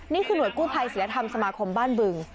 นี่คือหน่วยกู้ภัยศิลธรรมสมาคมบ้านบึง